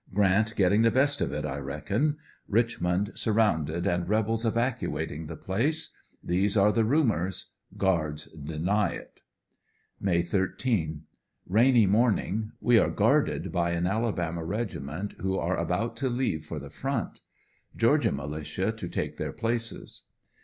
Grant getting the best of it I reckon. Rich mond surrounded and rebels evacuating the place. These are the rumors. Guards deny it. May 13.— Rainy morning. We are guarded by an Alabama reg iment, who are about to leave for the front. Georgia militia to take their places.